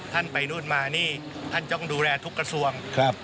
ท่านไปนู่นมานี่ท่านต้องดูแลทุกกระทรวงครับ